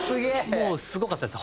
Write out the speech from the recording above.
もうすごかったです。